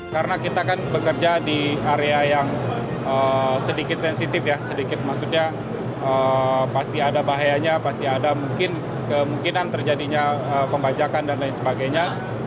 karena kita kan bekerja di area yang sedikit sensitif ya sedikit maksudnya pasti ada bahayanya pasti ada mungkin kemungkinan terjadinya pembajakan dan lain sebagainya